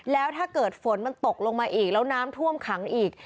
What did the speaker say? แล้วถ้าเกิดฝนมันตกลงมาอีกแล้วน้ำท่วมขังอีก